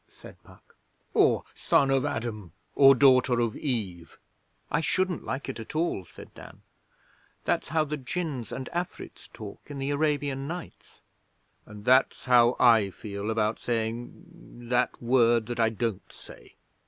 said Puck; 'or "son of Adam" or "daughter of Eve"?' 'I shouldn't like it at all,' said Dan. 'That's how the Djinns and Afrits talk in the Arabian Nights.' 'And that's how I feel about saying that word that I don't say.